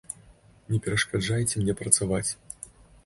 Не перашкаджайце мне працаваць.